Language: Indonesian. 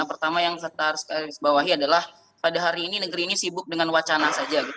pertama yang saya harus bawahi adalah pada hari ini negeri ini sibuk dengan wacana saja